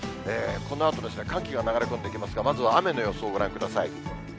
このあと寒気が流れ込んできますが、まずは雨の予想をご覧ください。